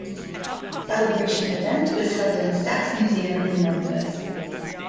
Celebration event was held in Stax Museum in Memphis.